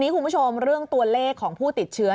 คุณผู้ชมเรื่องตัวเลขของผู้ติดเชื้อ